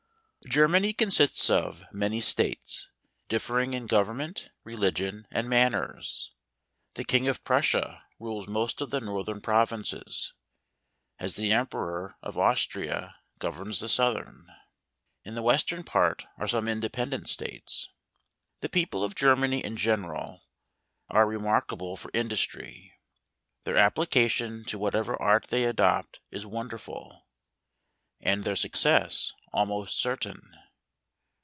Germany consists of many States; differing in government, religion, and manners. The King of Prussia rules most of the northern provinces; as the Emperor of Austria governs the southern. GERMANY. 71 Ill the western part are some independent States. The people of Germany in general are re¬ markable for industry. Their application to what¬ ever art they adopt is wonderful, and their suc¬ cess almost certain.